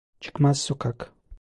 Çıkmaz sokak